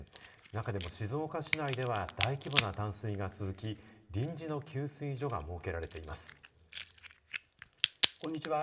中でも静岡市内では大規模な断水が続き臨時の給水所が設けられています。